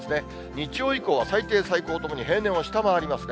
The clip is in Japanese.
日曜以降は、最低、最高ともに平年を下回りますね。